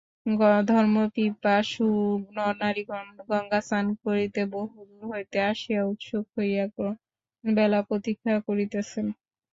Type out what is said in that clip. ধর্মপিপাসু নরনারীগণ গঙ্গাস্নান করিতে বহুদূর হইতে আসিয়া উৎসুক হইয়া গ্রহণবেলা প্রতীক্ষা করিতেছেন।